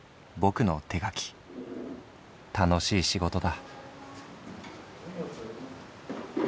楽しい仕事だ」。